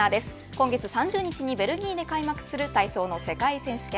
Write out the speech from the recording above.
今月３０日にベルギーで開幕する体操の世界選手権。